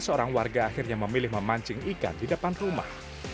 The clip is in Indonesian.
seorang warga akhirnya memilih memancing ikan di depan rumah